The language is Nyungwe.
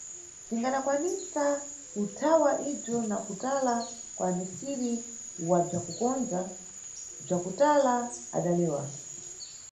Tingadakwanisa kuthawa ibzwo na kutala kwa amisiri wa bzwa kukondza, bzwa kutala, adalewa.